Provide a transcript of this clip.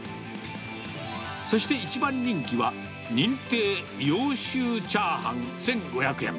そして一番人気は、認定揚州チャーハン１５００円。